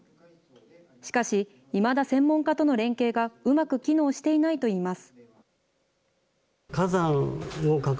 しかし、いまだ専門家との連携がうまく機能していないといいます。